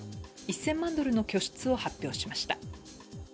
１０００万ドルの拠出を発表しました。